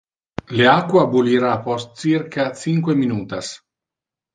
Le aqua bullira post circa cinque minutas.